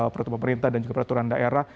pertumbuhan perintah dan juga peraturan daerah